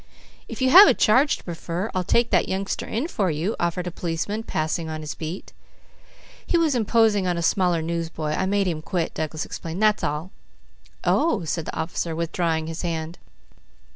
"If you have a charge to prefer, I'll take that youngster in for you," offered a policeman passing on his beat. "He was imposing on a smaller newsboy. I made him quit," Douglas explained. "That's all." "Oh!" said the officer, withdrawing his hand.